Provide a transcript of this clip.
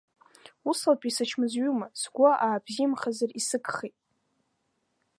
Усҟатәи сычмазаҩума, сгәы аабзиамхазар исыхгеит…